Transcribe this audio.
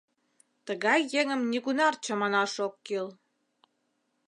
Тыгай еҥым нигунар чаманаш ок кӱл.